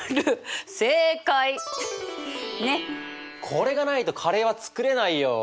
これがないとカレーは作れないよ。